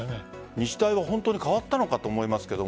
日大は本当に変わったのかと思いますけど。